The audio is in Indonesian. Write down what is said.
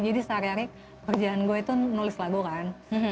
jadi sehari hari pekerjaan gue itu nulis lagu kan